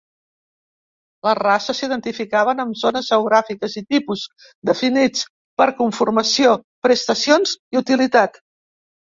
Les races s'identificaven amb zones geogràfiques i tipus definits per conformació, prestacions i utilitat.